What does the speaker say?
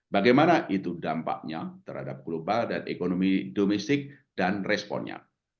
bagaimana itu dampaknya terhadap global dan ekonomi domestik dan responnya